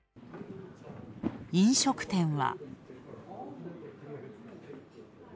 飲食店は。